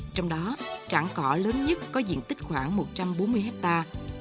trong đó trảng cỏ lớn nhất có diện tích khoảng một trăm bốn mươi hectare